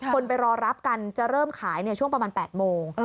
ไปรอรับกันจะเริ่มขายช่วงประมาณ๘โมง